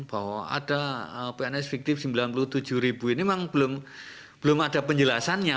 bahwa ada pns fiktif sembilan puluh tujuh ribu ini memang belum ada penjelasannya